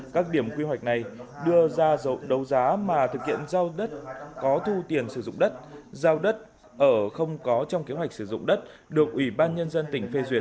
các điểm quy hoạch này đưa ra đấu giá mà thực hiện giao đất có thu tiền sử dụng đất giao đất ở không có trong kế hoạch sử dụng đất được ủy ban nhân dân tỉnh phê duyệt